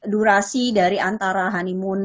durasi dari antara honeymoon